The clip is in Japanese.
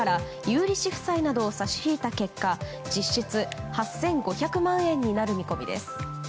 ２２００億円から有利子負債などを差し引いた結果実質８５００万円になる見込みです。